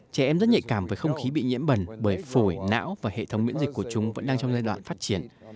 trẻ em rất nhạy cảm với không khí bị nhiễm bẩn bởi phổi não và hệ thống miễn dịch của chúng vẫn đang trong giai đoạn phát triển